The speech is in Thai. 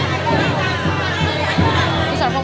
ลิฟท์ลิฟท์ลิฟท์ลิฟท์ลิฟท์